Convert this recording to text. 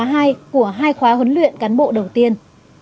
của hai khóa huấn luyện cán bộ đầu tiên